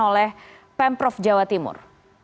oleh pemprov jawa timur